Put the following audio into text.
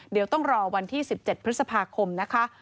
เดี๋ยวต้องรอวันที่๑๗พฤษภาคมนะคะ